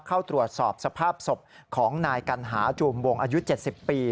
เข้าตรวจสอบสภาพศพของนายกัณหาจูมวงอายุ๗๐ปี